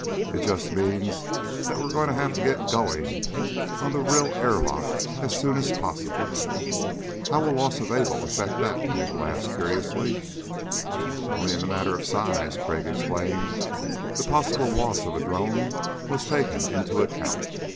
"It just means that we're going to have to get going on the rill airlock as soon as possible." "How will loss of Able affect that?" Nagel asked curiously. "Only in the matter of size," Crag explained. "The possible loss of a drone was taken into account.